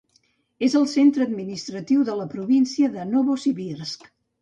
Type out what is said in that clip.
És el centre administratiu de la província de Novosibirsk.